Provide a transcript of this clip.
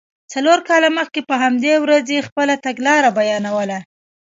څلور کاله مخکې په همدې ورځ یې خپله تګلاره بیانوله.